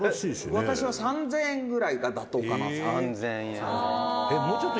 「私は３０００円ぐらいが妥当かなと」